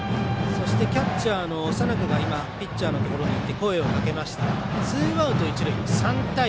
そして、キャッチャーの佐仲がピッチャーのところに行って声をかけました。